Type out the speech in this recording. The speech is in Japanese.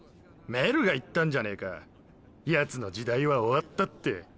メルが言ったんじゃねえかヤツの時代は終わったって。